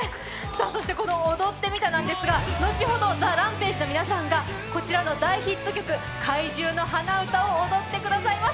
そしてこの踊ってみたなんですが、後ほどＴＨＥＲＡＭＰＡＧＥの皆さんがこちらの大ヒット曲「怪獣の花唄」を歌ってくれます。